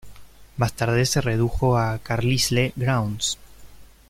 Más tarde se redujo a Carlisle Grounds.